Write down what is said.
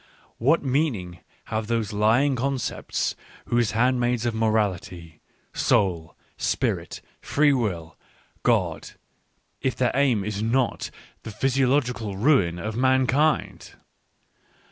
What meaning have those lying concepts, those handmaids of morality, " Soul," " Spirit," " Free will," " God," if their aim is not the physiological ruin of mankind?